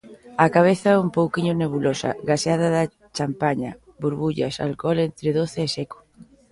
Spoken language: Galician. A cabeza un pouquiño nebulosa, gaseada da champaña, burbullas, alcol entre doce e seco.